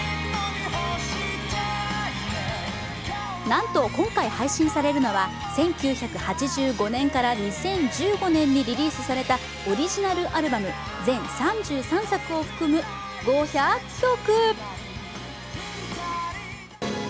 なんと今回配信されるのは１９８５年から２０１５年にリリースされたオリジナルアルバム、全３３作を含む５００曲。